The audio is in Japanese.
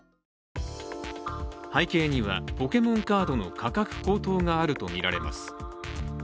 背景にはポケモンカードの価格高騰があるとみられます。